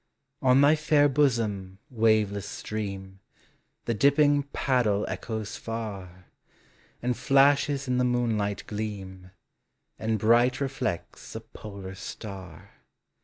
On thy fair bosom, waveless s! ream, The dipping paddle echoes far, And flashes in the moonlighl gleam, And bright reflects the polar star.